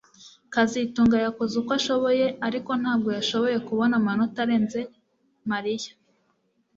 kazitunga yakoze uko ashoboye ariko ntabwo yashoboye kubona amanota arenze Mariya